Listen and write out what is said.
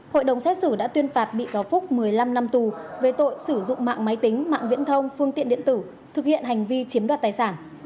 hội đồng xét xử đã tuyên phạt bị cáo phúc một mươi năm năm tù về tội sử dụng mạng máy tính mạng viễn thông phương tiện điện tử thực hiện hành vi chiếm đoạt tài sản